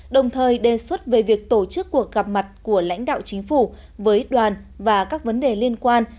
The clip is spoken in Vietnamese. đồng thời đề xuất về việc tổ chức cuộc gặp mặt của lãnh đạo chính phủ với đoàn và các vấn đề liên quan